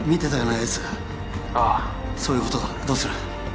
エース☎ああそういうことだどうする？